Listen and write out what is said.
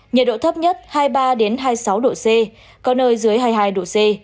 nhiệt độ thấp nhất hai mươi ba hai mươi sáu độ c có nơi dưới hai mươi hai độ c